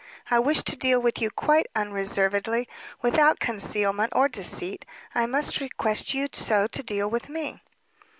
I wish to deal with you quite unreservedly, without concealment, or deceit; I must request you so to deal with me."